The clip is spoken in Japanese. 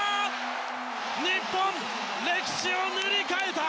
日本、歴史塗り替えた！